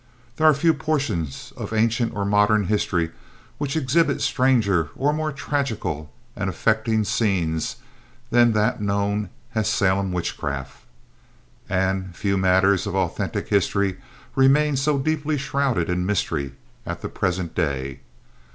There are few portions of ancient or modern history which exhibit stranger or more tragical and affecting scenes than that known as Salem Witchcraft, and few matters of authentic history remain so deeply shrouded in mystery at the present day.